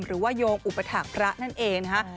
หรือว่าโยงอุปถักภระนั่นเองนะครับ